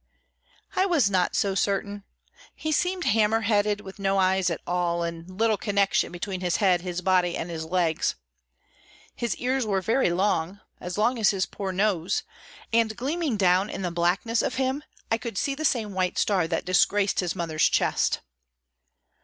I was not so certain. He seemed hammer headed, with no eyes at all, and little connection between his head, his body, and his legs. His ears were very long, as long as his poor nose; and gleaming down in the blackness of him I could see the same white star that disgraced his mother's chest.